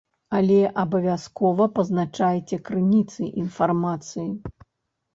Але абавязкова пазначайце крыніцы інфармацыі.